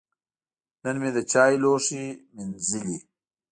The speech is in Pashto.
نن مې د چای لوښی مینځلي.